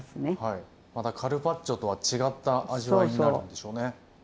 またカルパッチョとは違った味わいになるんでしょうね。